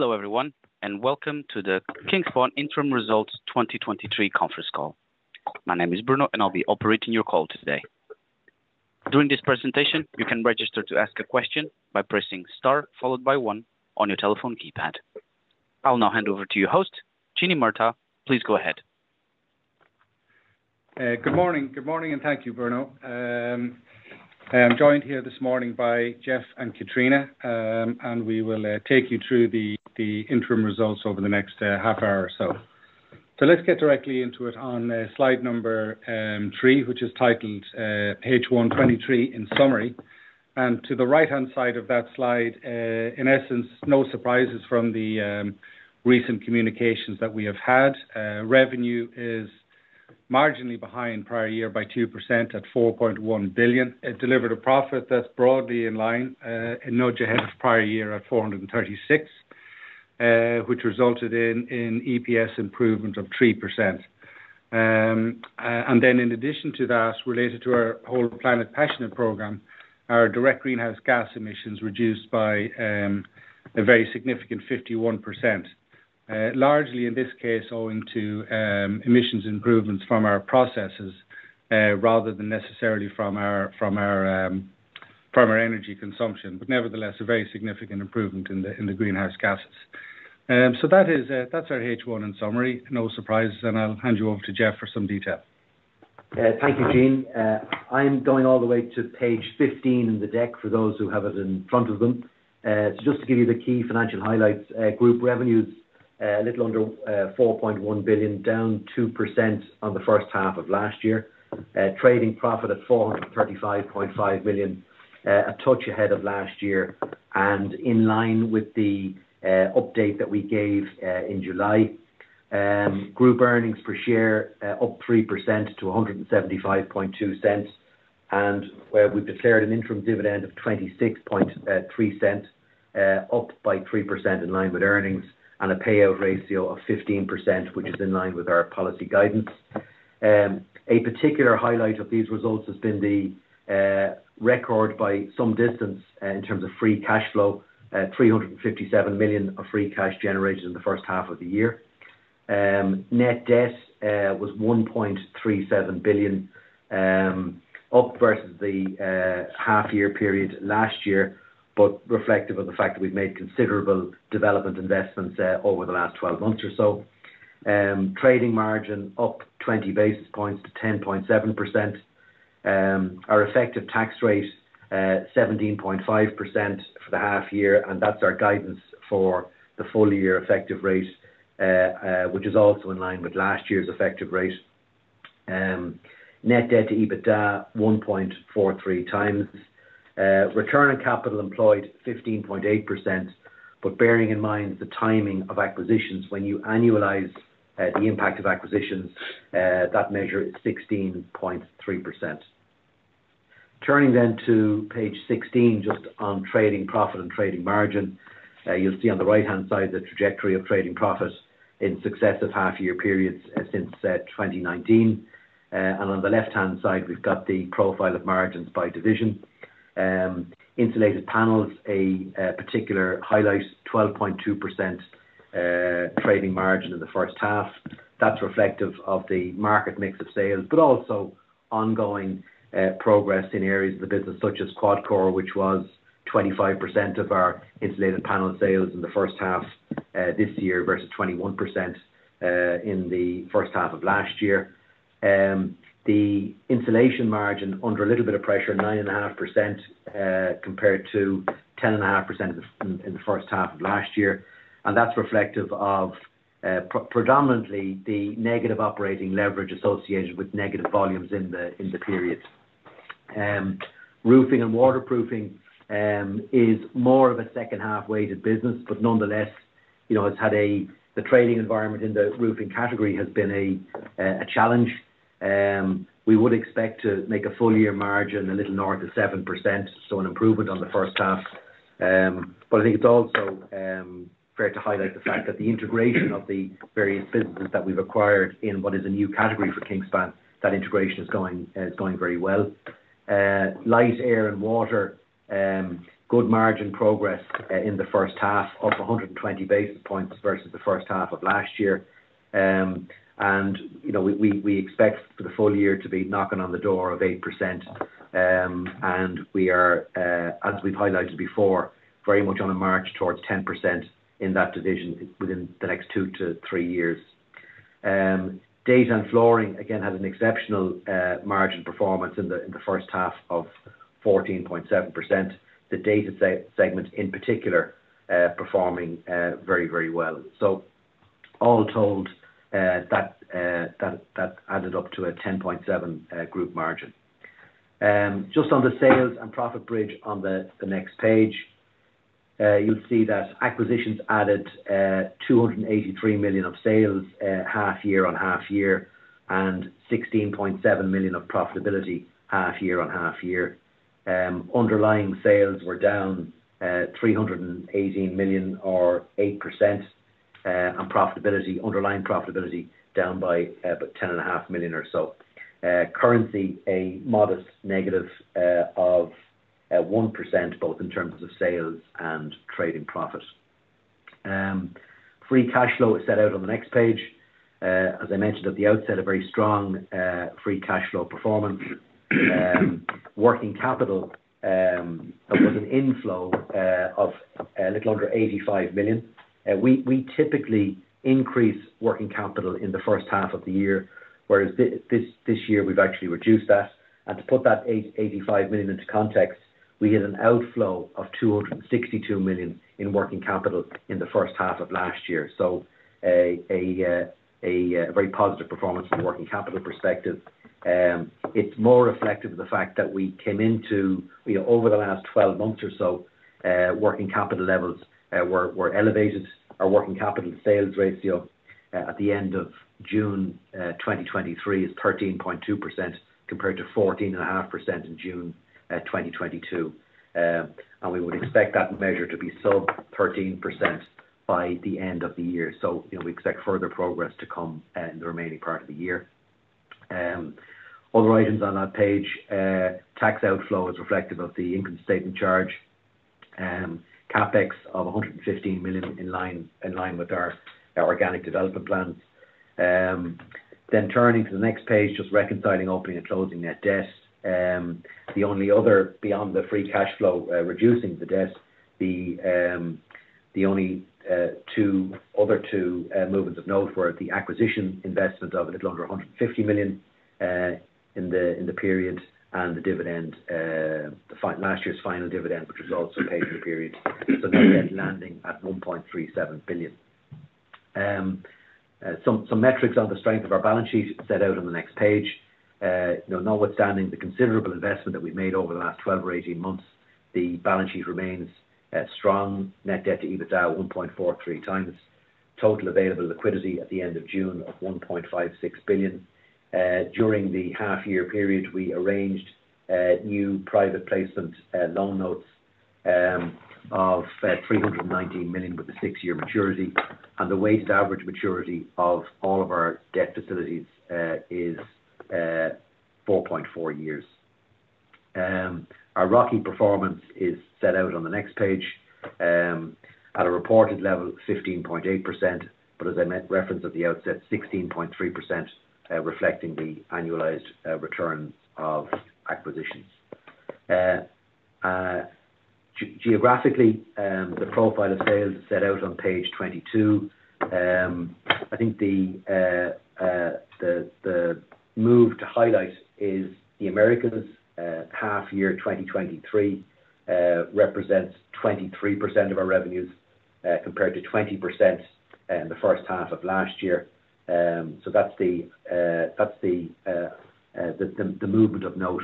Hello, everyone, and welcome to the Kingspan Interim Results 2023 conference call. My name is Bruno, and I'll be operating your call today. During this presentation, you can register to ask a question by pressing star, followed by one on your telephone keypad. I'll now hand over to your host, Gene Murtagh. Please go ahead. Good morning. Good morning, and thank you, Bruno. I am joined here this morning by Geoff and Katrina, and we will take you through the interim results over the next half hour or so. Let's get directly into it on slide number 3, which is titled H123 in summary, and to the right-hand side of that slide, in essence, no surprises from the recent communications that we have had. Revenue is marginally behind prior year by 2%, at 4.1 billion. It delivered a profit that's broadly in line, and no ahead of prior year at 436 million, which resulted in EPS improvement of 3%. And then in addition to that, related to our whole Planet Passionate program, our direct GHG emissions reduced by a very significant 51%. Largely in this case, owing to emissions improvements from our processes, rather than necessarily from our, from our, from our energy consumption, but nevertheless, a very significant improvement in the, in the greenhouse gases. So that is, that's our H1 in summary. No surprises, and I'll hand you over to Geoff for some detail. Thank you, Gene. I am going all the way to page 15 in the deck for those who have it in front of them. Just to give you the key financial highlights, group revenues, a little under 4.1 billion, down 2% on the H1 of last year. Trading profit at 435.5 million, a touch ahead of last year and in line with the update that we gave in July. Group earnings per share, up 3% to 1.752, and we've declared an interim dividend of 0.263, up by 3% in line with earnings, and a payout ratio of 15%, which is in line with our policy guidance. A particular highlight of these results has been the record by some distance in terms of free cash flow, 357 million of free cash generated in the H1 of the year. Net debt was 1.37 billion, up versus the half year period last year, but reflective of the fact that we've made considerable development investments over the last 12 months or so. Trading margin up 20 basis points to 10.7%. Our effective tax rate, 17.5% for the half year, and that's our guidance for the full year effective rate, which is also in line with last year's effective rate. Net debt to EBITDA, 1.43 times. Return on capital employed, 15.8%, but bearing in mind the timing of acquisitions, when you annualize the impact of acquisitions, that measure is 16.3%. Turning to page 16, just on trading profit and trading margin. You'll see on the right-hand side the trajectory of trading profit in successive half year periods since 2019. And on the left-hand side, we've got the profile of margins by division. Insulated panels, a particular highlight, 12.2% trading margin in the H1. That's reflective of the market mix of sales, but also ongoing progress in areas of the business, such as QuadCore, which was 25% of our insulated panel sales in the H1 this year, versus 21% in the H1 of last year. The insulation margin under a little bit of pressure, 9.5% compared to 10.5% in the H1 of last year. That's reflective of predominantly the negative operating leverage associated with negative volumes in the period. Roofing and waterproofing is more of a H1 weighted business, but nonetheless, you know, has had the trading environment in the roofing category has been a challenge. We would expect to make a full year margin, a little north of 7%, so an improvement on the H1. I think it's also fair to highlight the fact that the integration of the various businesses that we've acquired in what is a new category for Kingspan, that integration is going, is going very well. Light, air and water, good margin progress in the H1, up 120 basis points versus the H1 of last year. You know, we, we, we expect for the full year to be knocking on the door of 8%. We are, as we've highlighted before, very much on a march towards 10% in that division within the next 2 to 3 years. Data and flooring, again, has an exceptional margin performance in the H1 of 14.7%. The data segment, in particular, performing very, very well. All told, that added up to a 10.7 group margin. Just on the sales and profit bridge on the, the next page, you'll see that acquisitions added 283 million of sales, half year on half year, and 16.7 million of profitability half year on half year. Underlying sales were down 318 million or 8%. And profitability, underlying profitability, down by about 10.5 million or so. Currency, a modest negative, of 1%, both in terms of sales and Trading profit. Free cash flow is set out on the next page. As I mentioned at the outset, a very strong free cash flow performance. Working capital, there was an inflow of a little under 85 million. We, we typically increase working capital in the H1 of the year, whereas this, this year, we've actually reduced that. To put that 85 million into context, we had an outflow of 262 million in working capital in the H1 of last year. A, a, a, a very positive performance from a working capital perspective. It's more reflective of the fact that we came into, you know, over the last 12 months or so, working capital levels were, were elevated. Our working capital sales ratio at the end of June 2023 is 13.2%, compared to 14.5% in June 2022. And we would expect that measure to be sub 13% by the end of the year. You know, we expect further progress to come in the remaining part of the year. Other items on that page, tax outflow is reflective of the income statement charge. CapEx of 115 million, in line, in line with our, our organic development plans. Turning to the next page, just reconciling opening and closing net debt. The only other, beyond the free cash flow, reducing the debt, the only two, other two, movements of note were the acquisition investment of a little under 150 million in the period, and the dividend, the last year's final dividend, which was also paid for the period. Net debt landing at 1.37 billion. And some, some metrics on the strength of our balance sheet set out on the next page. Uh, you know, notwithstanding the considerable investment that we've made over the last twelve or eighteen months, the balance sheet remains, uh, strong. Net debt to EBITDA of one point four three times. Total available liquidity at the end of June of one point five six billion. Uh, during the half year period, we arranged, new private placement, loan notes, and of three hundred and nineteen million, with a six-year maturity. And the weighted average maturity of all of our debt facilities is four point four years." Our ROCE performance is set out on the next page, at a reported level of 15.8%, but as I referenced at the outset, 16.3%, reflecting the annualized return of acquisitions. Geographically, the profile of sales is set out on page 22. I think the move to highlight is the Americas, half year 2023, represents 23% of our revenues, compared to 20% in the H1 of last year. That's the movement of note,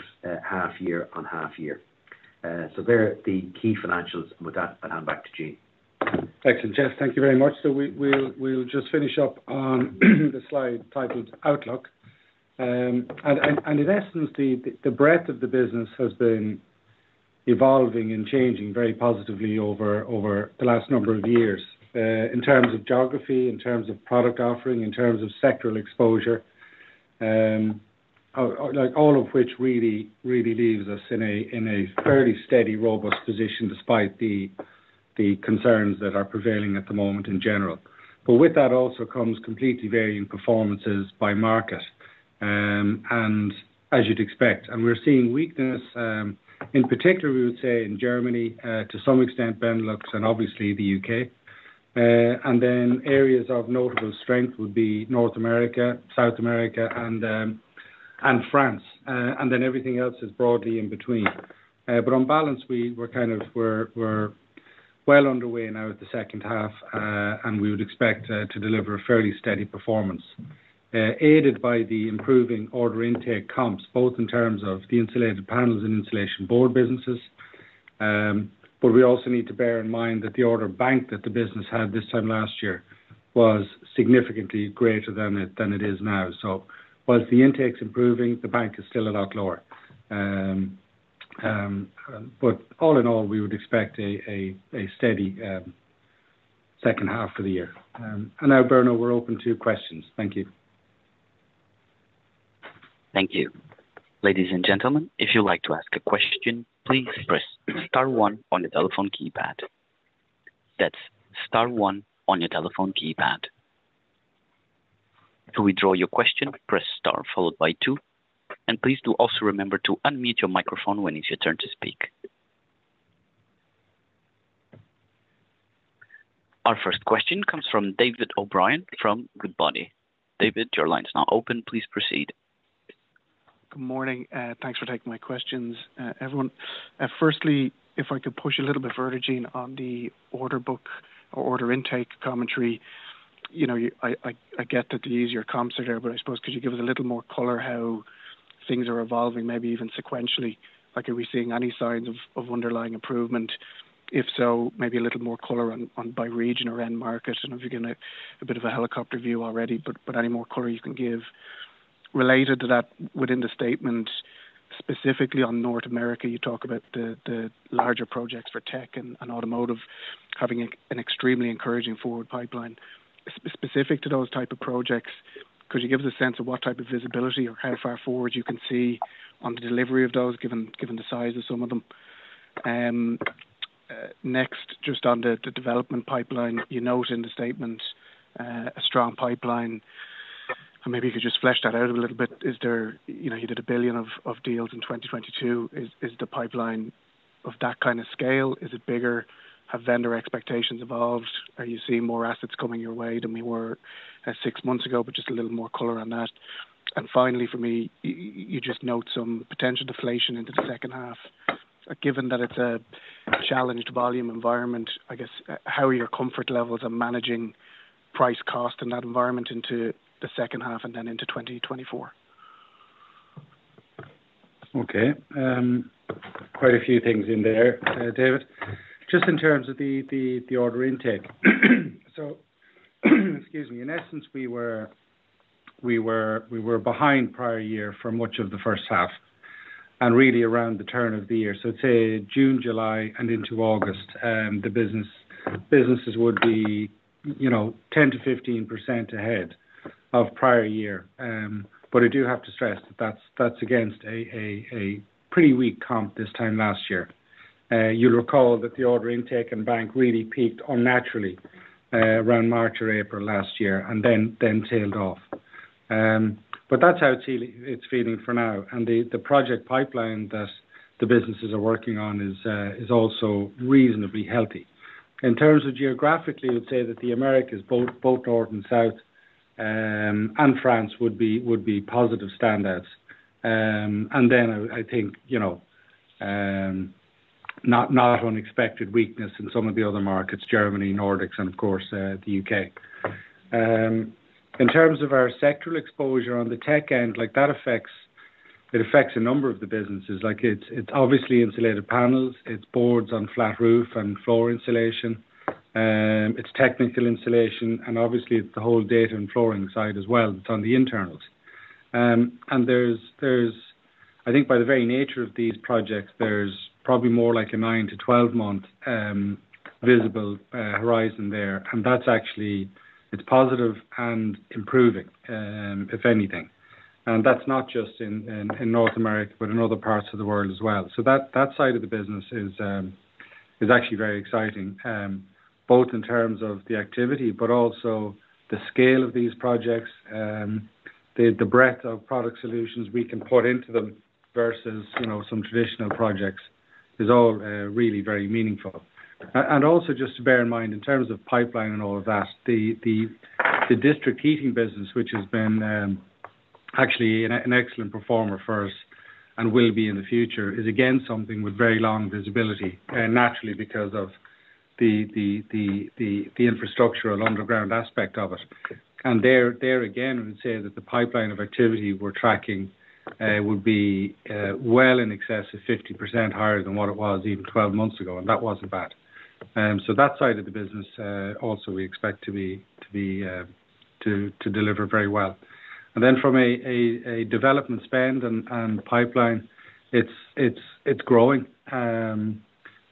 half year on half year. They're the key financials, and with that, I'll hand back to Gene. Excellent, Geoff, thank you very much. We, we'll, we'll just finish up on the slide titled Outlook. In essence, the, the, the breadth of the business has been evolving and changing very positively over, over the last number of years. In terms of geography, in terms of product offering, in terms of sectoral exposure, like, all of which really, really leaves us in a, in a fairly steady, robust position, despite the, the concerns that are prevailing at the moment in general. With that also comes completely varying performances by market, and as you'd expect. We're seeing weakness, in particular, we would say in Germany, to some extent, Benelux and obviously the UK. Then areas of notable strength would be North America, South America, and France. Then everything else is broadly in between. On balance, we're well underway now with the H2, and we would expect to deliver a fairly steady performance, aided by the improving order intake comps, both in terms of the insulated panels and insulation board businesses. We also need to bear in mind that the order bank that the business had this time last year was significantly greater than it, than it is now. Whilst the intake's improving, the bank is still a lot lower. All in all, we would expect a steady H2 for the year. Now, Bruno, we're open to questions. Thank you. Thank you. Ladies and gentlemen, if you'd like to ask a question, please press star one on your telephone keypad. That's star one on your telephone keypad. To withdraw your question, press star followed by two, and please do also remember to unmute your microphone when it's your turn to speak. Our first question comes from David O'Brien from Goodbody. David, your line is now open. Please proceed. Good morning, thanks for taking my questions, everyone. Firstly, if I could push a little bit further, Gene, on the order book or order intake commentary. You know, I get that the easier comps are there, but I suppose, could you give us a little more color how things are evolving, maybe even sequentially? Like, are we seeing any signs of, of underlying improvement? If so, maybe a little more color on, on by region or end market. I know you gave a, a bit of a helicopter view already, but any more color you can give. Related to that, within the statement, specifically on North America, you talk about the, the larger projects for tech and automotive having a, an extremely encouraging forward pipeline. Specific to those type of projects, could you give us a sense of what type of visibility or how far forward you can see on the delivery of those, given, given the size of some of them? Next, just on the, the development pipeline, you note in the statement, a strong pipeline, and maybe you could just flesh that out a little bit. You know, you did 1 billion of deals in 2022. Is, is the pipeline of that kind of scale? Is it bigger? Have vendor expectations evolved? Are you seeing more assets coming your way than we were, six months ago? Just a little more color on that. And finally, for me, you just note some potential deflation into the H2. Given that it's a challenged volume environment, I guess, how are your comfort levels on managing price cost in that environment into the H2 and then into 2024? Okay. Quite a few things in there, David. Just in terms of the order intake. Excuse me. In essence, we were, we were, we were behind prior year for much of the H1, and really around the turn of the year. Say, June, July, and into August, the business, businesses would be, you know, 10 to 15% ahead of prior year. I do have to stress that that's, that's against a pretty weak comp this time last year. You'll recall that the order intake and bank really peaked unnaturally around March or April last year, and then, then tailed off. That's how it's feeling, it's feeling for now, and the project pipeline that the businesses are working on is also reasonably healthy. In terms of geographically, I would say that the Americas, both, both North and South, France would be, would be positive standouts. I think, you know, not, not unexpected weakness in some of the other markets, Germany, Nordics, and of course, the UK. In terms of our sectoral exposure on the tech end, like, that affects, it affects a number of the businesses. Like, it's, it's obviously insulated panels, it's boards on flat roof and floor insulation, its technical installation, and obviously it's the whole data and flooring side as well, it's on the internals. There's, there's, I think by the very nature of these projects, there's probably more like a 9 to12 month visible horizon there, and that's actually, it's positive and improving, if anything. That's not just in, in, in North America, but in other parts of the world as well. So that, that side of the business is actually very exciting, both in terms of the activity, but also the scale of these projects, the breadth of product solutions we can put into them versus, you know, some traditional projects, is all really very meaningful. Also just to bear in mind, in terms of pipeline and all of that, the, the, the district heating business, which has been actually an excellent performer for us and will be in the future, is again, something with very long visibility, naturally, because of the, the, the, the, the infrastructural underground aspect of it. There, there again, I would say that the pipeline of activity we're tracking, would be well in excess of 50% higher than what it was even 12 months ago, and that wasn't bad. That side of the business, also we expect to be, to be, to, to deliver very well. Then from a development spend and pipeline, it's, it's, it's growing.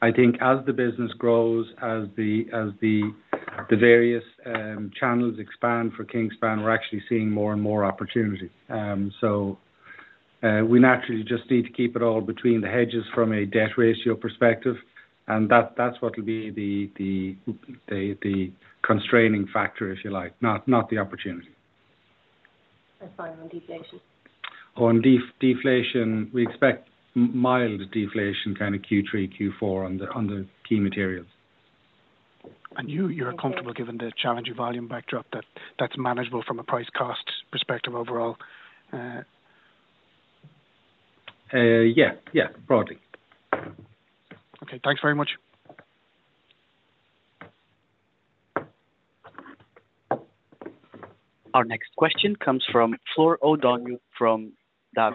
I think as the business grows, as the, as the, the various channels expand for Kingspan, we're actually seeing more and more opportunity. We naturally just need to keep it all between the hedges from a debt ratio perspective, and that, that's what will be the, the, the, the constraining factor, if you like, not, not the opportunity. Finally, on deflation. On deflation, we expect mild deflation, kind of Q3, Q4 on the key materials. You, you're comfortable, given the challenging volume backdrop, that that's manageable from a price cost perspective overall? Yeah. Yeah, broadly. Okay, thanks very much. Our next question comes from Florence O'Donoghue from Davy. Floor,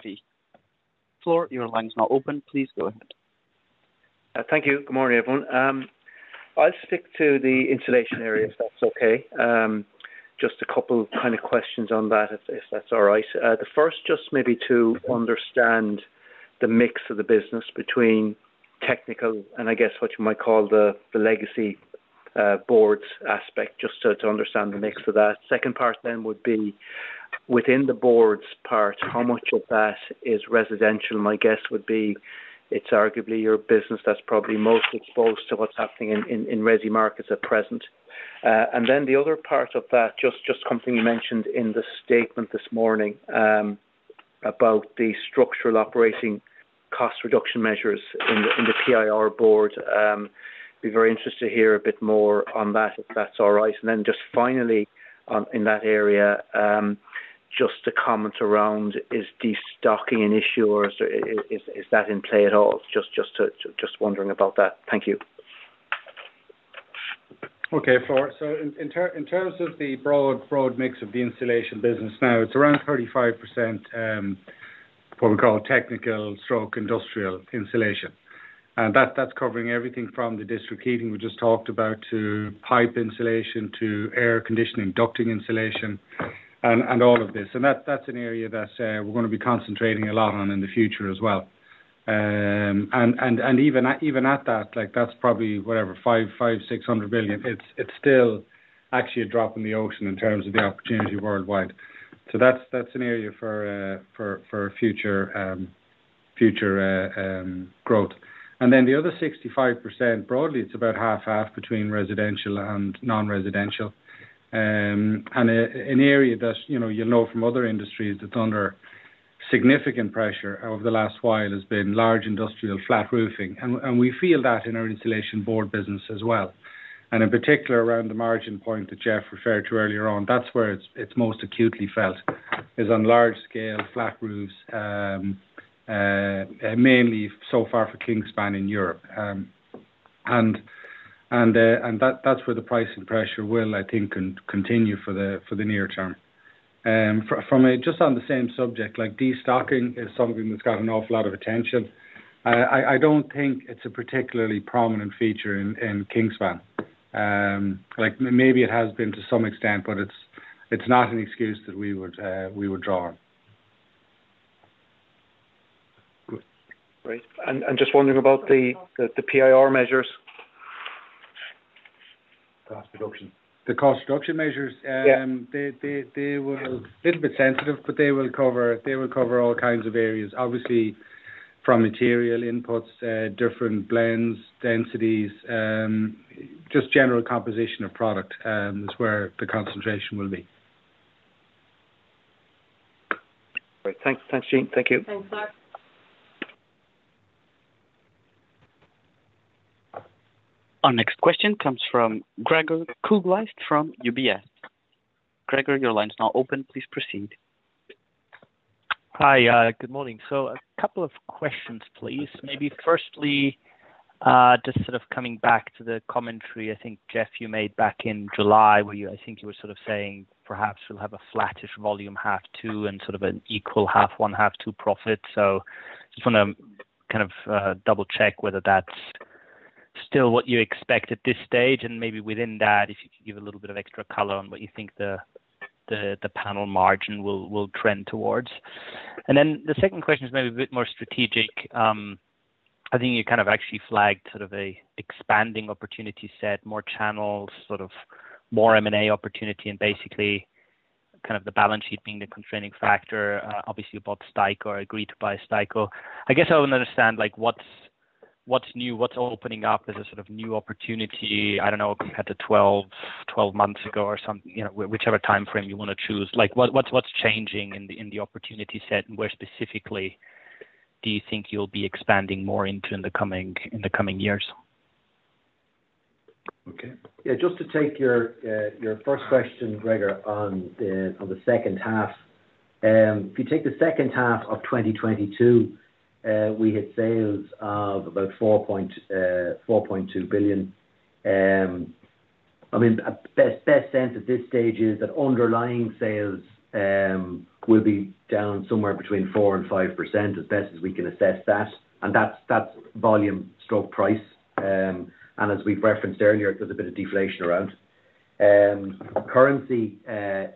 your line is now open. Please go ahead. Thank you. Good morning, everyone. I'll stick to the insulation area, if that's okay. Just a couple kind of questions on that, if, if that's all right. The first, just maybe to understand the mix of the business between technical and I guess, what you might call the, the legacy, boards aspect, just so to understand the mix of that. Second part then would be within the boards part, how much of that is residential? My guess would be, it's arguably your business that's probably most exposed to what's happening in, in, in resi markets at present. Then the other part of that, just, just something you mentioned in the statement this morning, about the structural operating cost reduction measures in the, in the PIR board. Be very interested to hear a bit more on that, if that's all right. Then just finally, in that area, just to comment around, is destocking an issue or is, is, is that in play at all? Just wondering about that. Thank you. Okay, Floor. So in terms of the broad, broad mix of the insulation business, now, it's around 35% what we call technical stroke industrial insulation. That, that's covering everything from the district heating we just talked about, to pipe insulation, to air conditioning, ducting insulation, and, and all of this. That's, that's an area that we're going to be concentrating a lot on in the future as well. Even at, even at that, like, that's probably whatever, 5, 5, 600 billion. It's, it's still actually a drop in the ocean in terms of the opportunity worldwide. That's, that's an area for, for, for future, future, growth. Then the other 65%, broadly, it's about half, half between residential and non-residential. An area that, you know, you'll know from other industries that's under significant pressure over the last while has been large industrial flat roofing, and we feel that in our insulation board business as well. In particular, around the margin point that Geoff referred to earlier on, that's where it's most acutely felt, is on large-scale flat roofs, mainly so far for Kingspan in Europe. That's where the price and pressure will, I think, continue for the near term. Just on the same subject, like, destocking is something that's got an awful lot of attention. I don't think it's a particularly prominent feature in Kingspan. Like, maybe it has been to some extent, but it's, it's not an excuse that we would, we would draw on. Great. And just wondering about the, the PIR measures. Cost reduction. The cost reduction measures? Yeah. they will- Yeah. Little bit sensitive, but they will cover, they will cover all kinds of areas. Obviously, from material inputs, different blends, densities, just general composition of product, is where the concentration will be. Great. Thanks. Thanks, Gene. Thank you. Thanks, Mark. Our next question comes from Gregor Kuglitsch from UBS. Gregor, your line is now open. Please proceed. Hi. Good morning. A couple of questions, please. Maybe firstly, just sort of coming back to the commentary, I think, Geoff, you made back in July, where you I think you were sort of saying perhaps you'll have a flattish volume half 2, and sort of an equal half 1, half 2 profit. Just want to kind of double check whether that's still what you expect at this stage, and maybe within that, if you could give a little bit of extra color on what you think the panel margin will trend towards? The second question is maybe a bit more strategic. I think you kind of actually flagged sort of a expanding opportunity set, more channels, sort of more M&A opportunity, and basically, kind of the balance sheet being the constraining factor. Obviously, you bought STEICO or agreed to buy STEICO. I guess I want to understand, like, what's, what's new, what's opening up as a sort of new opportunity, I don't know, compared to 12, 12 months ago or something, you know, whichever time frame you want to choose. Like, what, what's, what's changing in the, in the opportunity set, and where specifically do you think you'll be expanding more into in the coming, in the coming years? Okay. Yeah, just to take your first question, Gregor, on the H2. If you take the H2 of 2022, we had sales of about 4.2 billion. I mean, best, best sense at this stage is that underlying sales will be down somewhere between 4 to 5%, as best as we can assess that, and that's, that's volume stroke price. As we've referenced earlier, there's a bit of deflation around. Currency -1%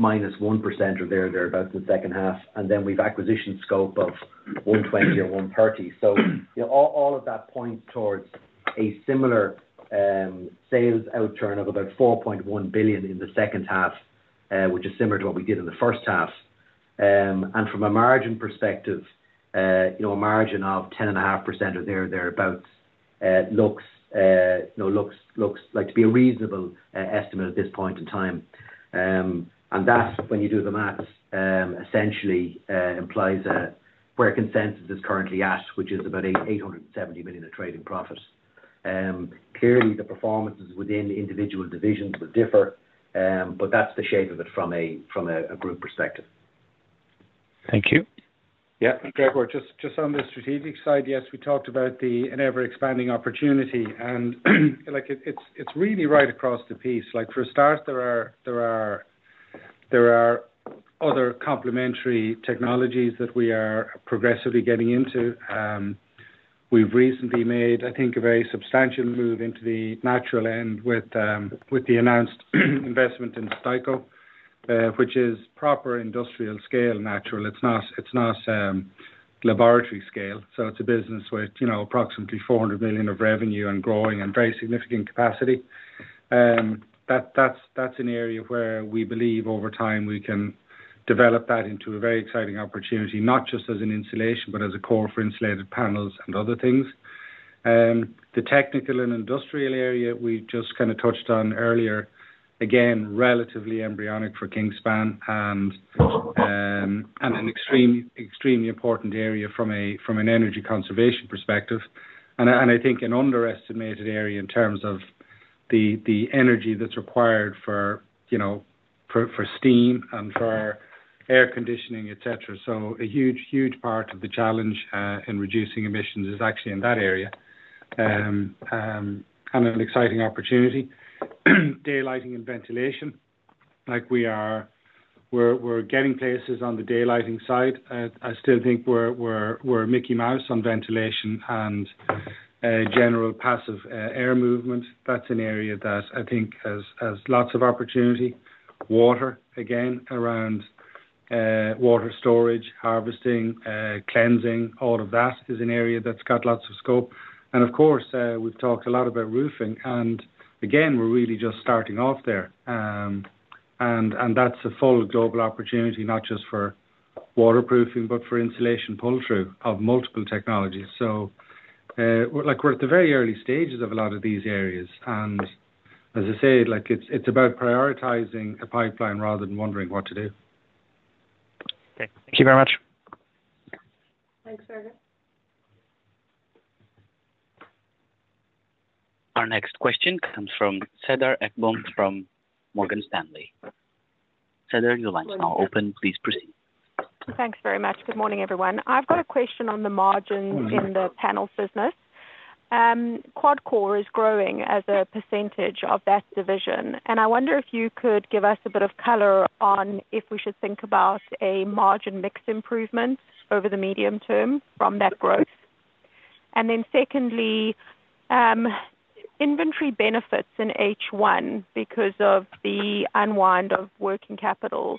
or there, thereabout in the H2, and then we've acquisition scope of 120 to 130 million. Yeah, all, all of those points towards a similar sales outturn of about 4.1 billion in the H2, which is similar to what we did in the H1. From a margin perspective, you know, a margin of 10.5% or there or thereabout, looks, you know, looks, looks like to be a reasonable estimate at this point in time. That, when you do the math, essentially implies that where consensus is currently at, which is about 870 million in trading profit. Clearly the performances within the individual divisions will differ, but that's the shape of it from a, from a, a group perspective. Thank you. Yeah, Gregor, just, just on the strategic side, yes, we talked about the an ever-expanding opportunity, and like, it, it's, it's really right across the piece. Like, for start, there are, there are, there are other complementary technologies that we are progressively getting into. We've recently made, I think, a very substantial move into the natural end with, with the announced investment in STEICO, which is proper industrial scale natural. It's not, it's not, laboratory scale, so it's a business with, you know, approximately 400 million of revenue and growing and very significant capacity. That, that's, that's an area where we believe over time, we can develop that into a very exciting opportunity, not just as an insulation, but as a core for insulated panels and other things. The technical and industrial area we just kind of touched on earlier, again, relatively embryonic for Kingspan and an extremely important area from a, from an energy conservation perspective, and I, and I think an underestimated area in terms of the, the energy that's required for, you know, for, for steam and for air conditioning, et cetera. So a huge, huge part of the challenge in reducing emissions is actually in that area. Kind of an exciting opportunity, daylighting and ventilation. Like we are, we're, we're getting places on the daylighting side. I still think we're, we're, we're Mickey Mouse on ventilation and general passive air movement. That's an area that I think has, has lots of opportunity. Water, again, around water storage, harvesting, cleansing, all of that is an area that's got lots of scope. Of course, we've talked a lot about roofing, and again, we're really just starting off there. That's a full global opportunity, not just for waterproofing, but for insulation pull through of multiple technologies. Like, we're at the very early stages of a lot of these areas, and as I say, like it's, it's about prioritizing a pipeline rather than wondering what to do. Okay. Thank you very much. Thanks, Sergio. Our next question comes from Cedar Ekblom, from Morgan Stanley. Cedar, your line is now open. Please proceed. Thanks very much. Good morning, everyone. I've got a question on the margins in the panels business. QuadCore is growing as a percentage of that division, and I wonder if you could give us a bit of color on if we should think about a margin mix improvement over the medium term from that growth? Secondly, inventory benefits in H1 because of the unwind of working capital.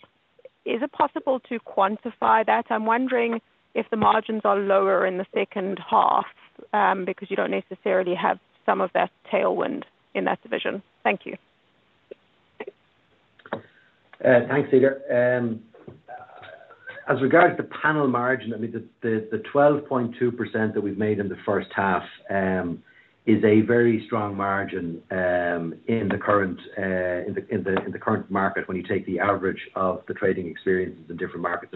Is it possible to quantify that? I'm wondering if the margins are lower in the H2 because you don't necessarily have some of that tailwind in that division. Thank you. ** **Traditional education often struggles to adapt to the rapidly changing world.** The skills needed for success are constantly evolving, and traditional curricula can become outdated quickly. * **There's a growing demand for personalized learning experiences.** Students learn at different paces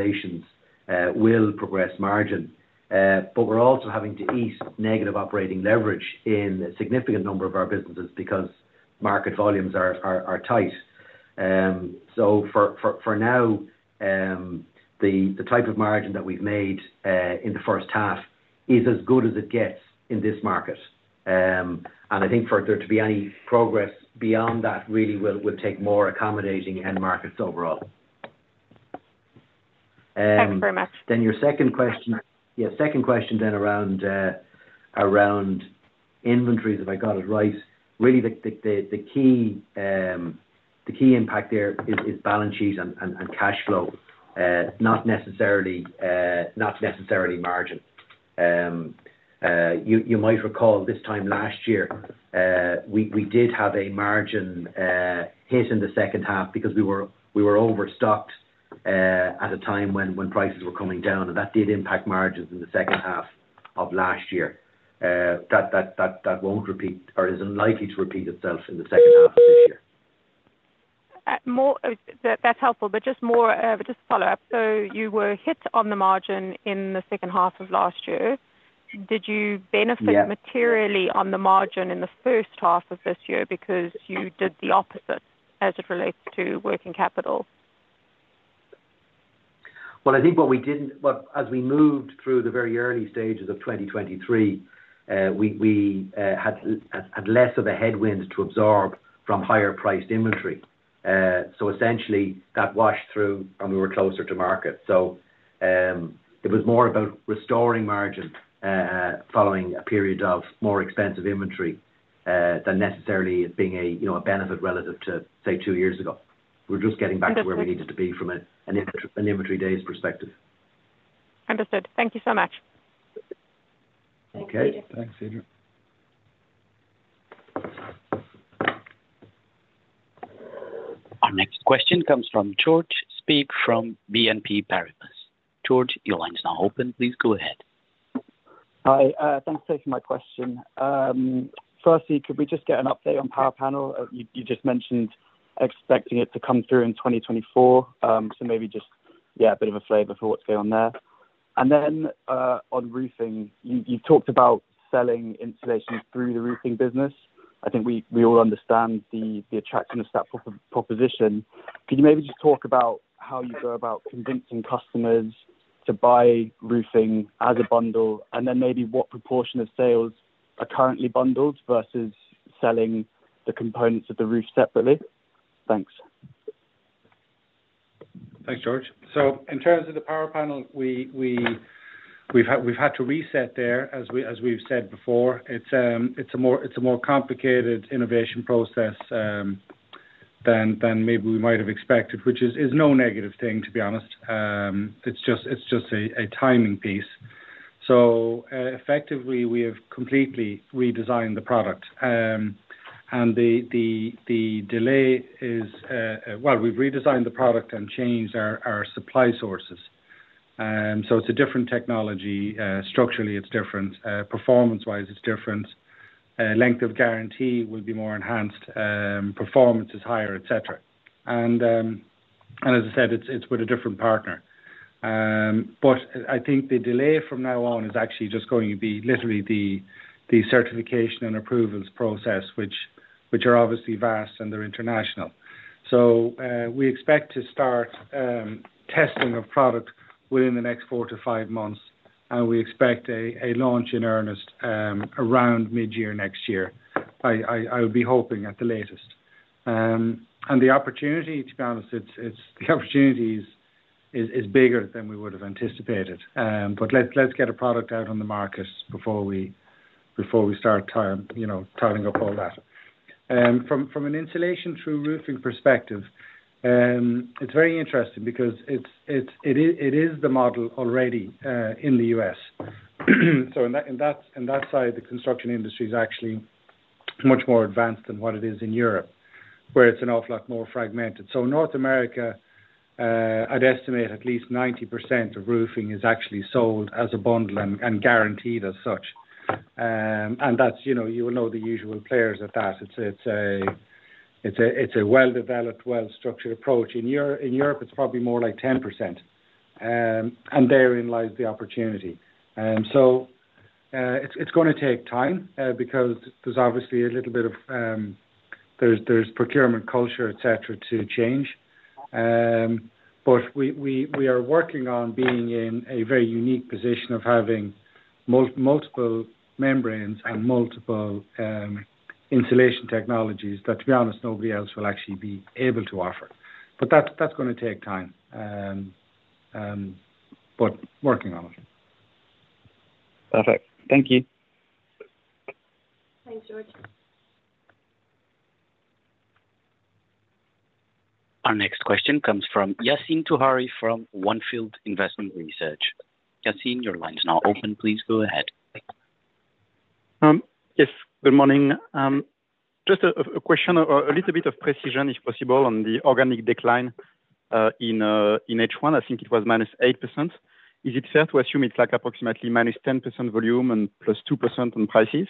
and Thank you very much. Your second question. Yeah, second question then around, around inventories, if I got it right. Really, the, the, the, the key, the key impact there is, is balance sheet and, and, and cash flow, not necessarily, not necessarily margin. You, you might recall this time last year, we, we did have a margin, hit in the H2 because we were, we were overstocked, at a time when, when prices were coming down, and that did impact margins in the H2 of last year. That, that, that, that won't repeat or is unlikely to repeat itself in the H2 of this year. That's helpful, but just more, just follow up. You were hit on the margin in the H2 of last year. Yeah. Did you benefit materially on the margin in the H1 of this year because you did the opposite as it relates to working capital? As we moved through the very early stages of 2023, we had less of a headwind to absorb from higher priced inventory. Essentially, that washed through and we were closer to market. It was more about restoring margin following a period of more expensive inventory than necessarily it being a, you know, a benefit relative to, say, 2 years ago. We're just getting back to where we needed to be from an inventory days perspective. Understood. Thank you so much. Okay. Thanks, Cedar. Our next question comes from George Speak from BNP Paribas. George, your line is now open. Please go ahead. Hi, thanks for taking my question. Firstly, could we just get an update on PowerPanel? You, you just mentioned expecting it to come through in 2024. Maybe just, yeah, a bit of a flavor for what's going on there. Then, on roofing, you, you talked about selling insulation through the roofing business. I think we, we all understand the, the attractiveness of that proposition. Could you maybe just talk about how you go about convincing customers to buy roofing as a bundle, and then maybe what proportion of sales are currently bundled versus selling the components of the roof separately? Thanks. Thanks, George. In terms of the PowerPanel, we, we, we've had, we've had to reset there, as we, as we've said before. It's, it's a more, it's a more complicated innovation process, than, than maybe we might have expected, which is, is no negative thing, to be honest. It's just, it's just a, a timing piece. Effectively, we have completely redesigned the product. The, the, the delay is... Well, we've redesigned the product and changed our, our supply sources. It's a different technology. Structurally, it's different. Performance-wise, it's different. Length of guarantee will be more enhanced, performance is higher, et cetera. - As I said, it's, it's with a different partner. I, I think the delay from now on is actually just going to be literally the, the certification and approvals process, which, which are obviously vast, and they're international. We expect to start testing of product within the next four to five months, and we expect a launch in earnest around mid-year next year. I, I, I would be hoping at the latest. The opportunity, to be honest, it's, it's the opportunity is, is, is bigger than we would have anticipated. Let's, let's get a product out on the market before we, before we start time, you know, tidying up all that. From, from an insulation through roofing perspective, it's very interesting because it's, it is, it is the model already in the U.S. In that, in that, in that side, the construction industry is actually much more advanced than what it is in Europe, where it's an awful lot more fragmented. North America, I'd estimate at least 90% of roofing is actually sold as a bundle and and guaranteed as such. That's, you know, you will know the usual players at that. It's, it's a, it's a, it's a well-developed, well-structured approach. In Euro- in Europe, it's probably more like 10%, and therein lies the opportunity. It's, it's gonna take time, because there's obviously a little bit of, there's, there's procurement culture, et cetera, to change. We are working on being in a very unique position of having multiple membranes and multiple insulation technologies that, to be honest, nobody else will actually be able to offer. That's, that's gonna take time. Working on it. Perfect. Thank you. Thanks, George. Our next question comes from Yassine Touahri from On Field Investment Research. Yassine, your line is now open. Please go ahead. Yes, good morning. Just a question, a little bit of precision, if possible, on the organic decline in H1. I think it was -8%. Is it fair to assume it's, like, approximately -10% volume and +2% on prices?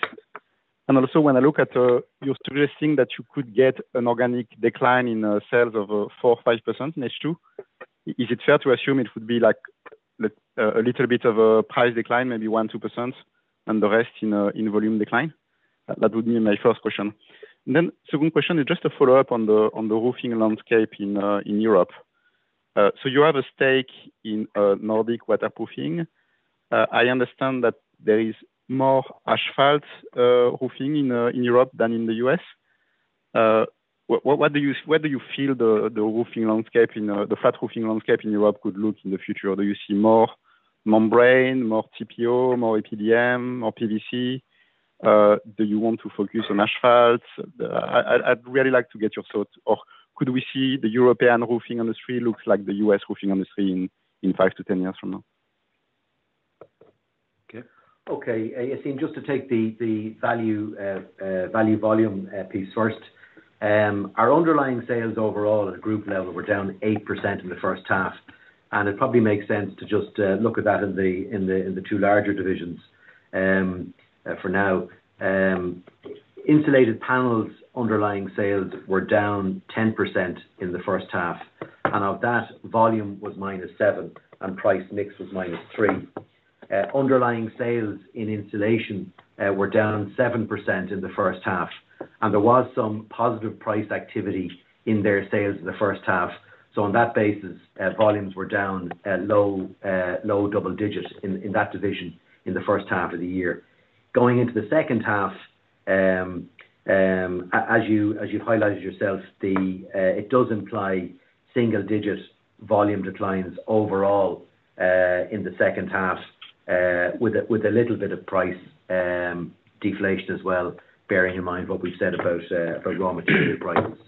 Also, when I look at, you're suggesting that you could get an organic decline in sales of 4% or 5% in H2, is it fair to assume it would be, like, a little bit of a price decline, maybe 1 to 2%, and the rest in volume decline? That would be my first question. Then second question is just a follow-up on the roofing landscape in Europe. So, you have a stake in Nordic Waterproofing. I understand that there is more asphalt roofing in Europe than in the U.S. Where do you feel the roofing landscape in the flat roofing landscape in Europe could look in the future? Do you see more membrane, more TPO, more EPDM, more PVC? Do you want to focus on asphalts? I'd really like to get your thoughts. Or could we see the European roofing industry looks like the U.S. roofing industry in 5 to 10 years from now? Okay. Okay, Yassine, just to take the, the value, value volume piece first. Our underlying sales overall at the group level were down 8% in the H2. It probably makes sense to just look at that in the, in the, in the two larger divisions for now. Insulated panels' underlying sales were down 10% in the H2. Of that, volume was -7%, and price mix was -3%. Underlying sales in insulation were down 7% in the H2. There was some positive price activity in their sales in the H2. On that basis, volumes were down a low, low double digits in that division in the H2 of the year. Going into the H2, as you, as you've highlighted yourself, the, it does imply single digit volume declines overall, in the H2, with a, with a little bit of price, deflation as well, bearing in mind what we've said about, raw material prices.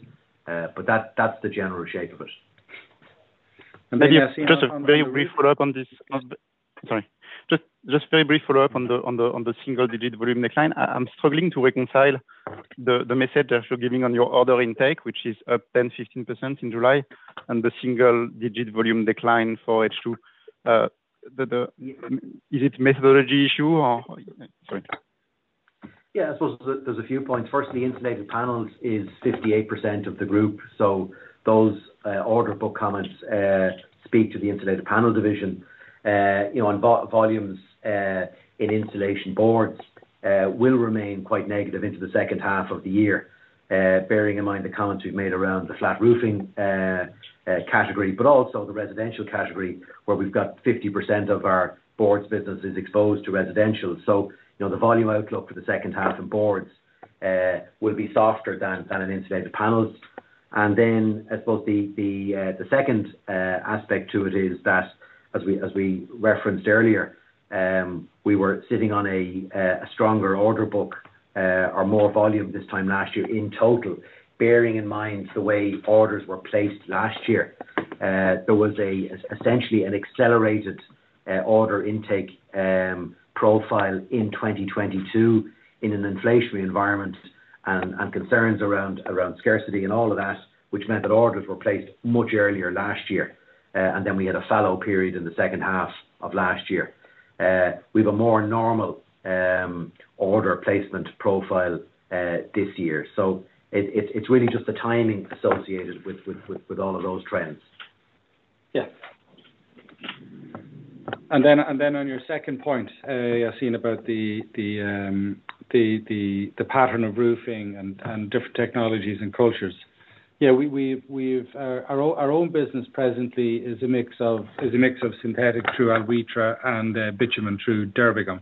That, that's the general shape of it. Just a very brief follow-up on this. Sorry. Just a very brief follow-up on the single digit volume decline. I'm struggling to reconcile the message that you're giving on your order intake, which is up 10 to 15% in July, and the single digit volume decline for H2. Is it a methodology issue or? Sorry. Yeah, I suppose there's, there's a few points. Firstly, insulated panels are 58% of the group, so those order book comments speak to the insulated panel division. you know, on volumes in insulation boards will remain quite negative into the H2 of the year, bearing in mind the comments we've made around the flat roofing category, but also the residential category, where we've got 50% of our boards business is exposed to residential. you know, the volume outlook for the H2 in boards will be softer than, than in insulated panels. I suppose the, the second aspect to it is that, as we, as we referenced earlier, we were sitting on a stronger order book, or more volume this time last year in total. Bearing in mind the way orders were placed last year, there was a, essentially an accelerated order intake profile in 2022 in an inflationary environment and concerns around scarcity and all of that, which meant that orders were placed much earlier last year. We had a fallow period in the H2 of last year. We have a more normal order placement profile this year. It, it's, it's really just the timing associated with, with, with, with all of those trends. Yeah. Then, then on your second point, Yassine, about the, the, the pattern of roofing and, and different technologies and cultures. Yeah, we've, we've, our own, our own business presently is a mix of, is a mix of synthetic through Alwitra and, bitumen through Derbigum.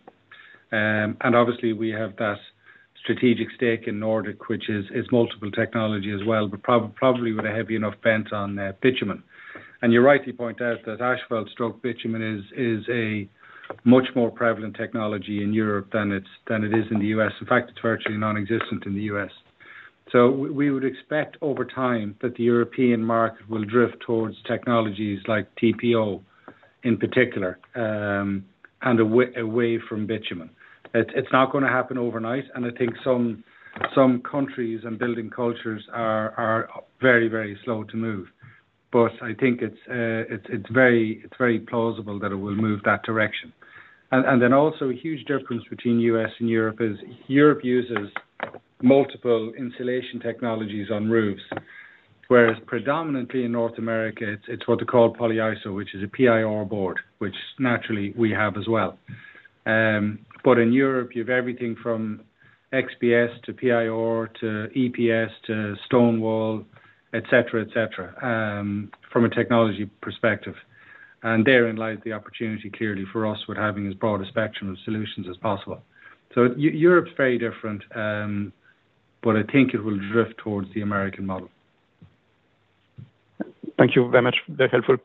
Obviously, we have that strategic stake in Nordic, which is, is multiple technology as well, but probably with a heavy enough bent on, bitumen. You rightly point out that asphalt / bitumen is, is a much more prevalent technology in Europe than it's, than it is in the US. In fact, it's virtually nonexistent in the US. We, we would expect over time that the European market will drift towards technologies like TPO, in particular, and away, away from bitumen. It's not gonna happen overnight, and I think some, some countries and building cultures are, are very, very slow to move. I think it's very plausible that it will move that direction. Then also a huge difference between U.S. and Europe is, Europe uses multiple insulation technologies on roofs, whereas predominantly in North America, it's what they call Polyiso, which is a PIR board, which naturally we have as well. In Europe, you have everything from XPS to PIR to EPS, to mineral wool, et cetera, et cetera, from a technology perspective. Therein lies the opportunity clearly for us with having as broad a spectrum of solutions as possible. Europe's very different, I think it will drift towards the American model. Thank you very much. Very helpful.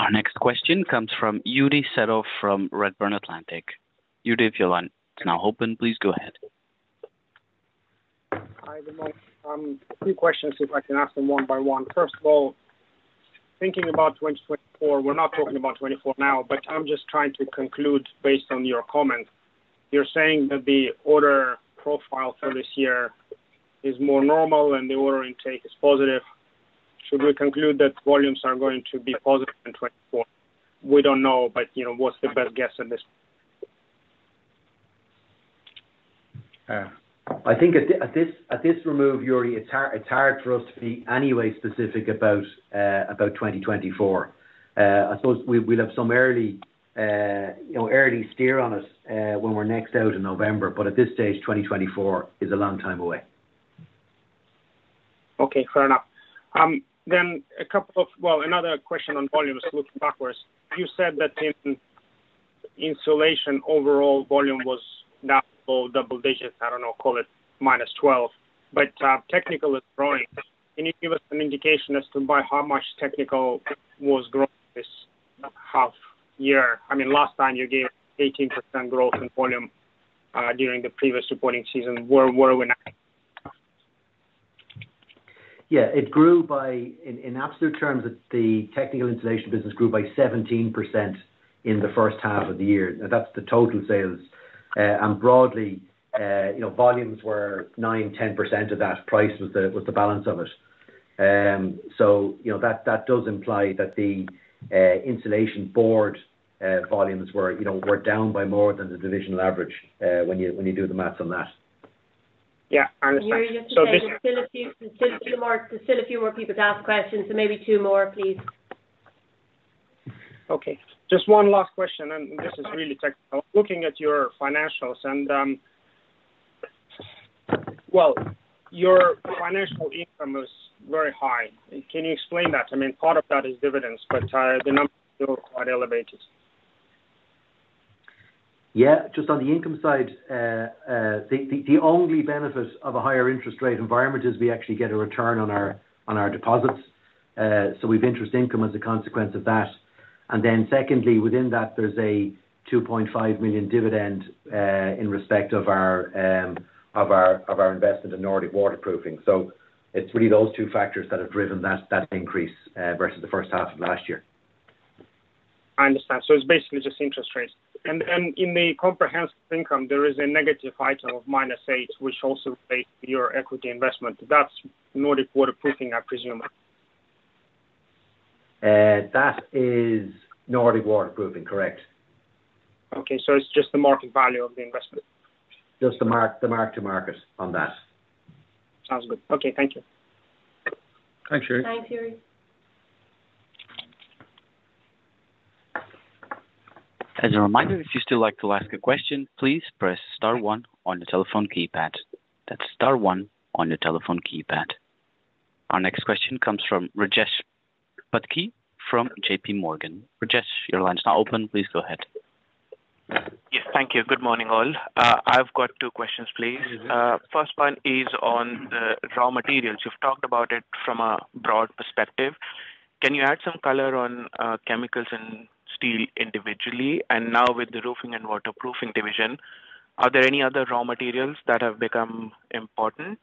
Our next question comes from Yuri Serov from Redburn Atlantic. Yuri, if your line is now open, please go ahead. Hi, good morning. Two questions, if I can ask them one by one. First of all, thinking about 2024, we're not talking about 24 now, but I'm just trying to conclude based on your comment. You're saying that the order profile for this year is more normal and the order intake is positive. Should we conclude that volumes are going to be positive in 24? We don't know, but, you know, what's the best guess on this? I think at, at this, at this remove, Yuri, it's hard for us to be any way specific about, about 2024. I suppose we; we'll have some early, you know, early steer on us, when we're next out in November, but at this stage, 2024 is a long time away. Okay, fair enough. A couple of... Well, another question on volumes, looking backwards. You said that the insulation overall volume was double-digits, I don't know, call it -12, but technical is growing. Can you give us an indication as to by how much technical was growing this half year? I mean, last time you gave 18% growth in volume during the previous reporting season, where are we now? Yeah, it grew by, in, in absolute terms, the technical insulation business grew by 17% in the H1 of the year. Now, that's the total sales. Broadly, you know, volumes were 9 to 10% of that price was the, was the balance of it. You know, that, that does imply that the insulation board volumes were, you know, were down by more than the divisional average, when you, when you do the math on that. Yeah. Yuri, just to say there's still a few, still a few more, there's still a few more people to ask questions, so maybe 2 more, please. Okay. Just one last question, and this is really technical. Looking at your financials and, well, your financial income is very high. Can you explain that? I mean, part of that is dividends, but the numbers are still quite elevated. Yeah, just on the income side, the only benefit of a higher interest rate environment is we actually get a return on our, on our deposits. We've interest income as a consequence of that. Secondly, within that, there's a 2.5 million dividend in respect of our investment in Nordic Waterproofing. It's really those two factors that have driven that, that increase versus the H1 of last year. I understand. It's basically just interest rates. And in the comprehensive income, there is a negative item of minus 8, which also relates to your equity investment. That's Nordic Waterproofing, I presume? That is Nordic Waterproofing, correct. Okay, it's just the market value of the investment? Just the mark, the mark to market on that. Sounds good. Okay, thank you. Thanks, Yuri. Thanks, Yuri. As a reminder, if you'd still like to ask a question, please press star one on your telephone keypad. That's star one on your telephone keypad. Our next question comes from Rajesh Patki from JPMorgan. Rajesh, your line is now open. Please go ahead. Yes, thank you. Good morning, all. I've got two questions, please. First one is on the raw materials. You've talked about it from a broad perspective. Can you add some color on, chemicals and steel individually? Now with the roofing and waterproofing division, are there any other raw materials that have become important?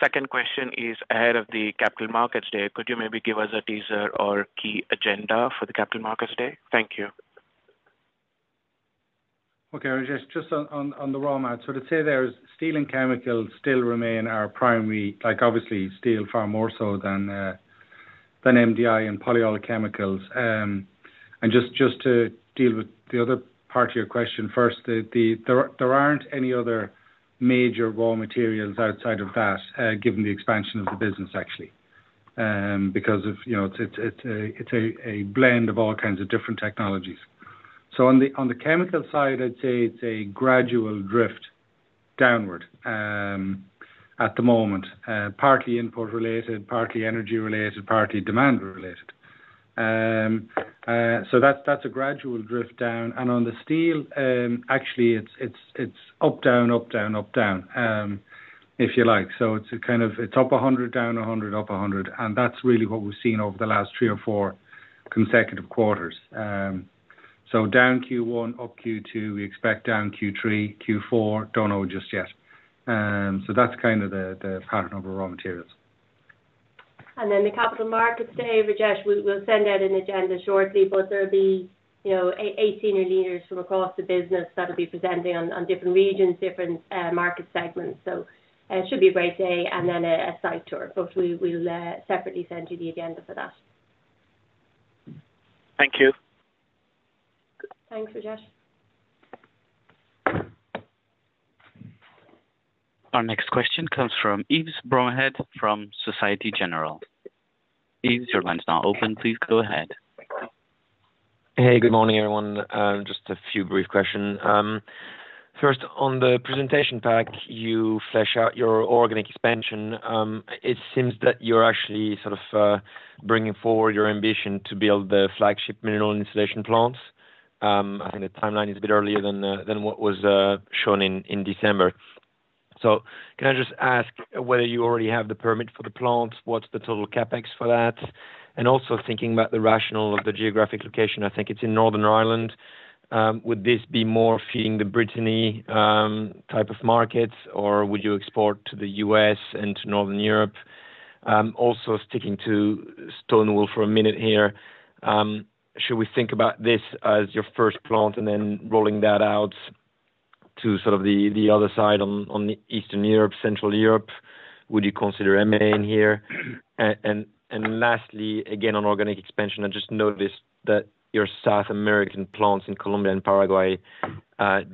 Second question is ahead of the Capital Markets Day, could you maybe give us a teaser or key agenda for the Capital Markets Day? Thank you. Okay, Rajesh, just on the raw mats. To say there is steel and chemicals still remain our primary, like obviously steel far more so than MDI and polyolic chemicals. Just to deal with the other part of your question first, there aren't any other major raw materials outside of that, given the expansion of the business actually. Because of, you know, it's a blend of all kinds of different technologies. On the chemical side, I'd say it's a gradual drift downward at the moment, partly input related, partly energy related, partly demand related. So that's, that's a gradual drift down. On the steel, actually, it's up, down, up, down, up, down, if you like. So, it's a kind of... It's up 100, down 100, up 100, and that's really what we've seen over the last three or four consecutive quarters. Down Q1, up Q2, we expect down Q3, Q4, don't know just yet. That's kind of the, the pattern of the raw materials. The Capital Markets Day, Rajesh, we'll, we'll send out an agenda shortly, there'll be, you know, eight, eight senior leaders from across the business that will be presenting on, on different regions, different market segments. It should be a great day and then a, a site tour. We, we'll, separately send you the agenda for that. Thank you. Thanks, Rajesh. Our next question comes from Yves Bromehead from Societe Generale. Yves, your line is now open. Please go ahead. Hey, good morning, everyone. Just a few brief questions. First, on the presentation pack, you flesh out your organic expansion. It seems that you're actually sort of bringing forward your ambition to build the flagship mineral insulation plants. I think the timeline is a bit earlier thanwhat was shown in in December. Can I just ask whether you already have the permit for the plants? What's the total CapEx for that? Also thinking about the rationale of the geographic location, I think it's in Northern Ireland, would this be more feeding the Brittany type of markets, or would you export to the US and to Northern Europe? Also sticking to mineral wool for a minute here, should we think about this as your first plant and then rolling that out to sort of the, the other side on, on the Eastern Europe, Central Europe? Would you consider MMA in here? Lastly, again, on organic expansion, I just noticed that your South American plants in Colombia and Paraguay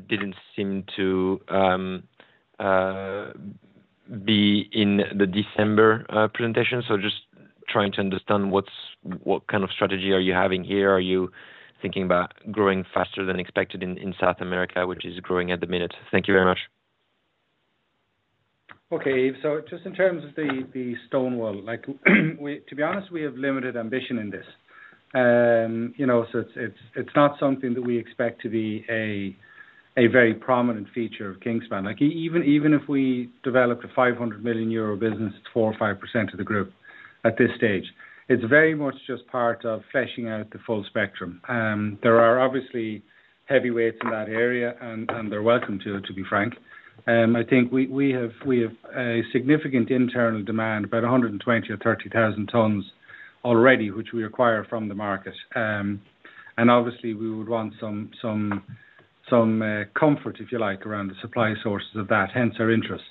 didn't seem to be in the December presentation. Just trying to understand what's-- what kind of strategy are you having here? Are you thinking about growing faster than expected in, in South America, which is growing at the minute? Thank you very much. Okay, Yves. Just in terms of the, the mineral wool, like, to be honest, we have limited ambition in this. You know, so it's, it's, it's not something that we expect to be a, a very prominent feature of Kingspan. Like, even, even if we developed a 500 million euro business, it's 4% or 5% of the group at this stage. It's very much just part of fleshing out the full spectrum. There are obviously heavyweights in that area, and, and they're welcome to, to be frank. I think we, we have, we have a significant internal demand, about 120,000 or 130,000 tons already, which we acquire from the market. Obviously, we would want some, some, some comfort, if you like, around the supply sources of that, hence our interest.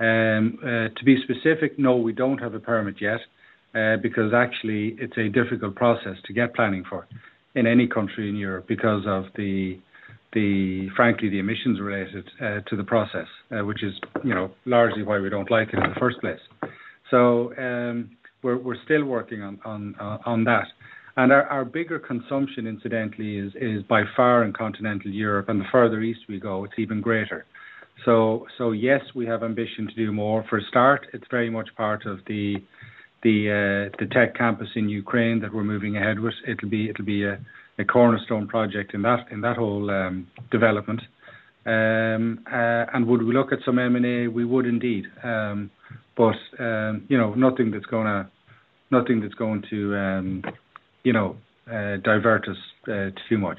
To be specific, no, we don't have a permit yet, because actually it's a difficult process to get planning for in any country in Europe because of the... frankly, the emissions related to the process, which is, you know, largely why we don't like it in the first place. We're still working on that. Our bigger consumption, incidentally, is by far in continental Europe, and the farther east we go, it's even greater. Yes, we have ambition to do more. For a start, it's very much part of the tech campus in Ukraine that we're moving ahead with. It'll be a cornerstone project in that, in that whole development. Would we look at some M&A? We would indeed. You know, nothing that's going to, you know, divert us too much.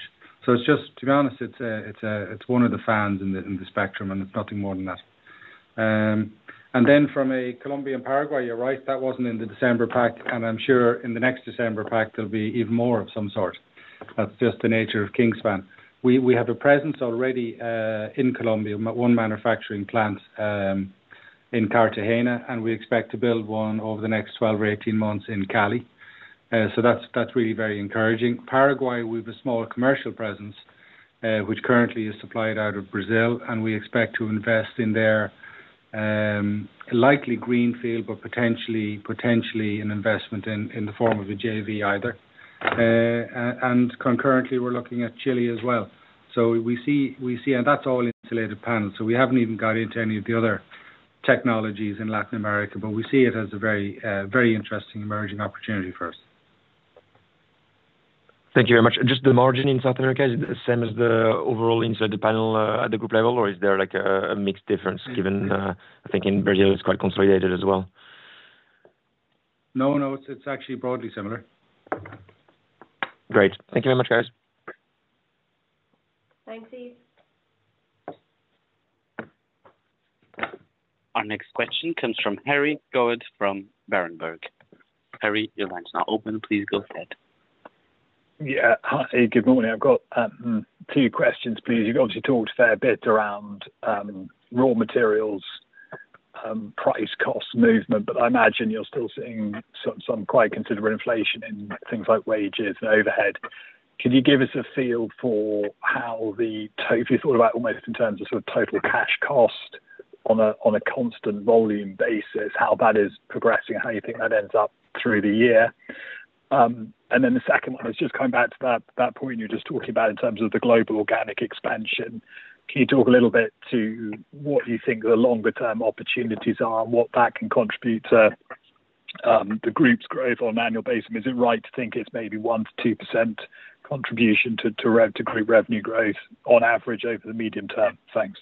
It's just, to be honest, it's a, it's a, it's one of the fans in the, in the spectrum, and it's nothing more than that. From a Colombia and Paraguay, you're right, that wasn't in the December pack, and I'm sure in the next December pack, there'll be even more of some sort. That's just the nature of Kingspan. We have a presence already in Colombia, 1 manufacturing plant in Cartagena, and we expect to build 1 over the next 12 or 18 months in Cali. That's, that's really very encouraging. Paraguay, we've a smaller commercial presence, which currently is supplied out of Brazil, and we expect to invest in there, likely greenfield, but potentially, potentially an investment in, in the form of a JV either. Concurrently, we're looking at Chile as well. We see. That's all insulated panels, so we haven't even got into any of the other technologies in Latin America, but we see it as a very, very interesting emerging opportunity for us. Thank you very much. Just the margin in South America, is it the same as the overall insulated panel at the group level, or is there, like, a mixed difference, given, I think in Brazil, it's quite consolidated as well? No, no, it's, it's actually broadly similar. Great. Thank you very much, guys. Thanks, Yves. Our next question comes from Harry Goad from Berenberg. Harry, your line's now open. Please go ahead. Yeah. Hi, good morning. I've got 2 questions, please. You've obviously talked a fair bit around raw materials, price, cost movement, but I imagine you're still seeing some, some quite considerable inflation in things like wages and overhead. Can you give us a feel for how the if you thought about almost in terms of sort of total cash cost on a, on a constant volume basis, how that is progressing, how you think that ends up through the year? Then the second one is just coming back to that, that point you're just talking about in terms of the global organic expansion. Can you talk a little bit to what you think the longer term opportunities are and what that can contribute to the group's growth on an annual basis? Is it right to think it's maybe 1 to 2% contribution to group revenue growth on average over the medium term? Thanks.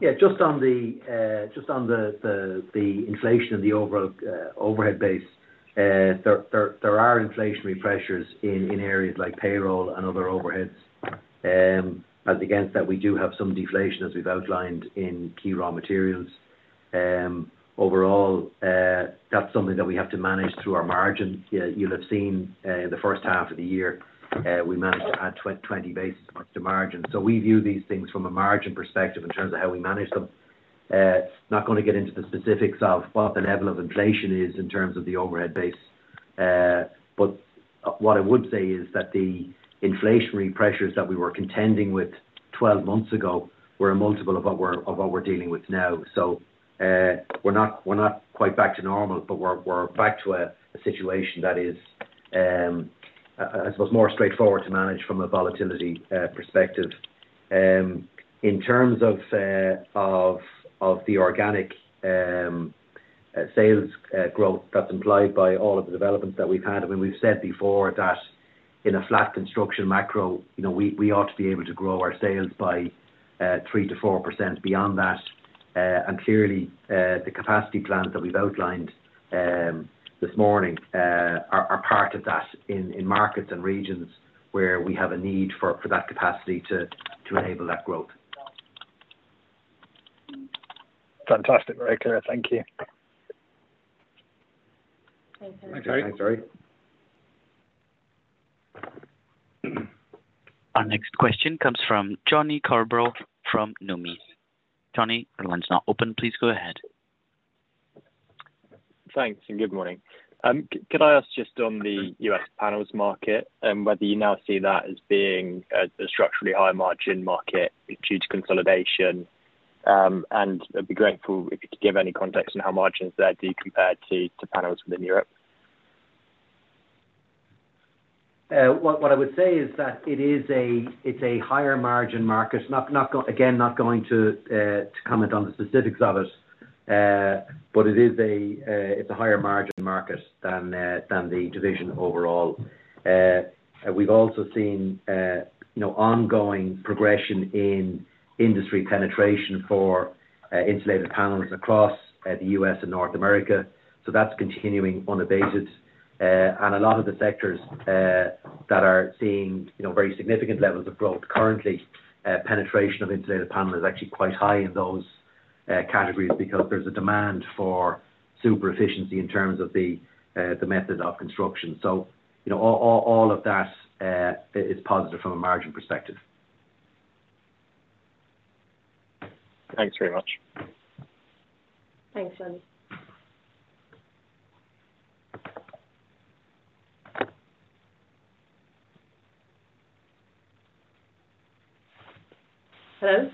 Yeah, just on the, just on the, the, the inflation and the overall, overhead base, there, there, there are inflationary pressures in, in areas like payroll and other overheads. But against that, we do have some deflation, as we've outlined in key raw materials. Overall, that's something that we have to manage through our margins. Yeah, you'll have seen, the H1 of the year, we managed to add 20 basis points to margin. We view these things from a margin perspective in terms of how we manage them. Not gonna get into the specifics of what the level of inflation is in terms of the overhead base. But what I would say is that the inflationary pressures that we were contending with 12 months ago, were a multiple of what we're, of what we're dealing with now. We're not, we're not quite back to normal, but we're, we're back to a, a situation that is, I suppose, more straightforward to manage from a volatility perspective. In terms of, of, of the organic sales growth that's implied by all of the developments that we've had, I mean, we've said before that in a flat construction macro, you know, we, we ought to be able to grow our sales by 3%-4% beyond that. Clearly, the capacity plans that we've outlined this morning, are, are part of that in, in markets and regions where we have a need for, for that capacity to, to enable that growth. Fantastic. Very clear. Thank you. Thanks, Harry. Thanks, Harry. Our next question comes from Jonathan Coubrough from Numis. Johnny, your line's now open. Please go ahead. Thanks, and good morning. Could I ask just on the US panels market, whether you now see that as being a structurally high margin market due to consolidation? I'd be grateful if you could give any context on how margins there do you compare to panels within Europe? What, what I would say is that it is a, it's a higher margin market. Not, not going to, again, not going to comment on the specifics of it, but it is a, it's a higher margin market than the division overall. We've also seen, you know, ongoing progression in industry penetration for insulated panels across the U.S. and North America, that's continuing unabated. A lot of the sectors that are seeing, you know, very significant levels of growth currently, penetration of insulated panel is actually quite high in those categories because there's a demand for super efficiency in terms of the method of construction. You know, all of that is positive from a margin perspective. Thanks very much. Thanks, Jonathan. Hello?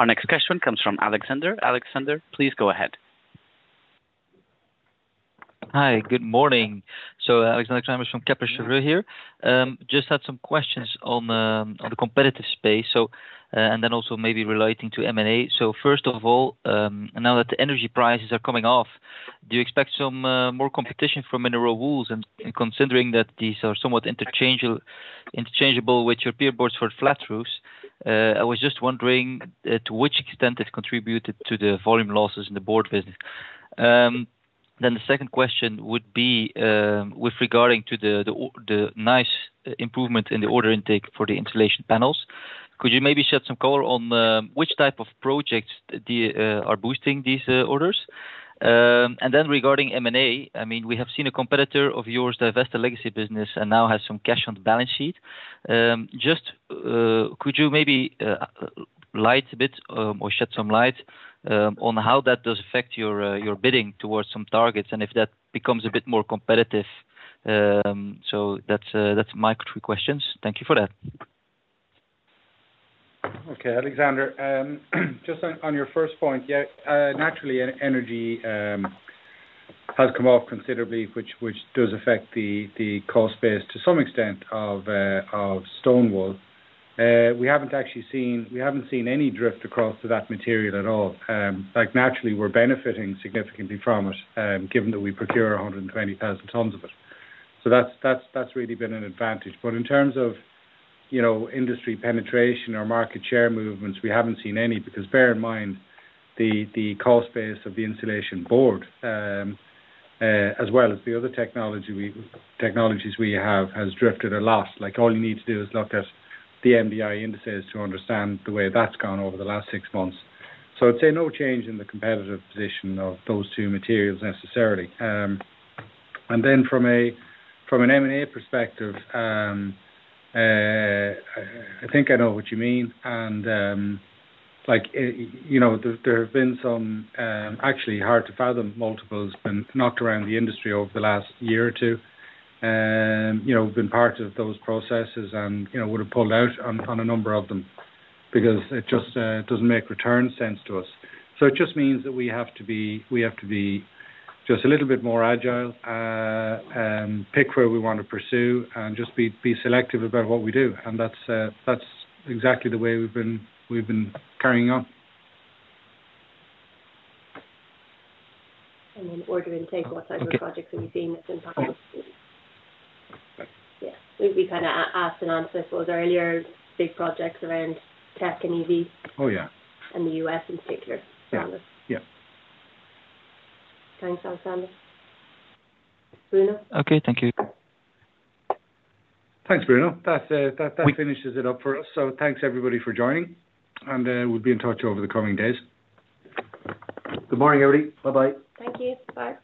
Our next question comes from Alexander. Alexander, please go ahead. Hi, good morning. Alexander Craeymeersch from Kepler Cheuvreux here. Just had some questions on the, on the competitive space, and then also maybe relating to M&A. First of all, now that the energy prices are coming off, do you expect some more competition from mineral wools? And considering that these are somewhat interchangeable, interchangeable with your PIR boards for flat roofs, I was just wondering to which extent this contributed to the volume losses in the board business. The second question would be, with regarding to the, the nice improvement in the order intake for the insulation panels, could you may be shed some color on which type of projects do you are boosting these orders? Regarding M&A, I mean, we have seen a competitor of yours divest the legacy business and now has some cash on the balance sheet. Just, could you maybe light a bit, or shed some light, on how that does affect your bidding towards some targets, and if that becomes a bit more competitive? That's, that's my three questions. Thank you for that. Okay, Alexander, just on, on your first point. Yeah, naturally, energy has come off considerably, which, which does affect the, the cost base to some extent of mineral wool. We haven't seen any drift across to that material at all. Like, naturally, we're benefiting significantly from it, given that we procure 120,000 tons of it. So that's, that's, that's really been an advantage. But in terms of, you know, industry penetration or market share movements, we haven't seen any, because bear in mind, the, the cost base of the insulation board, as well as the other technologies we have, has drifted a lot. Like, all you need to do is look at the MDI indices to understand the way that's gone over the last 6 months. I'd say no change in the competitive position of those 2 materials necessarily. Then from a, from an M&A perspective, I think I know what you mean, and like, you know, there, there have been some actually hard to fathom multiples been knocked around the industry over the last year or 2. You know, we've been part of those processes and, you know, would have pulled out on, on a number of them because it just doesn't make return sense to us. It just means that we have to be, we have to be just a little bit more agile, and pick where we want to pursue, and just be, be selective about what we do. That's, that's exactly the way we've been, we've been carrying on. In order to intake what type of projects are you seeing that's impacted? Yeah, we kind of asked and answered those earlier, big projects around tech and EV- Oh, yeah. In the U.S. in particular. Yeah. Yeah. Thanks, Alexander. Bruno? Okay, thank you. Thanks, Bruno. That, that finishes it up for us. Thanks everybody for joining, and we'll be in touch over the coming days. Good morning, everybody. Bye-bye. Thank you. Bye.